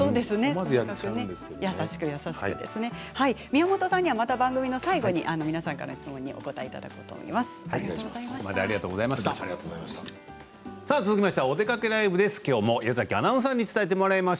宮本さんには番組の最後に皆さんの質問にお答えいただきます。